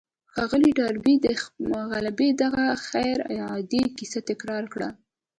ښاغلي ډاربي د غلبې دغه غير عادي کيسه تکرار کړه.